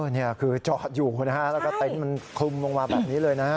นี่คือจอดอยู่นะฮะแล้วก็เต็นต์มันคลุมลงมาแบบนี้เลยนะฮะ